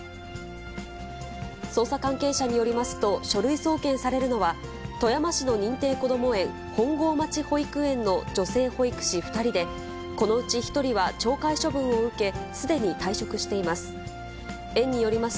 捜査関係者によりますと、書類送検されるのは、富山市の認定こども園、本郷町保育園の女性保育士２人で、このうち１人は懲戒処分を受け、すでに退職しています。